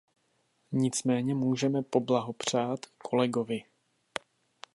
Nicméně můžeme poblahopřát kolegovi.